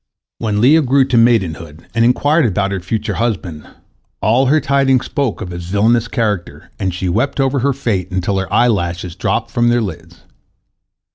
When Leah grew to maidenhood, and inquired about her future husband, all her tidings spoke of his villainous character, and she wept over her fate until her eyelashes dropped from their lids.